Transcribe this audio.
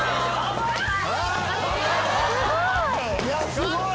すごい！